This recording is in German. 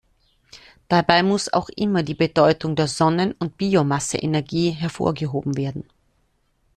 Dabei muss auch immer die Bedeutung der Sonnen- und Biomasseenergie hervorgehoben werden.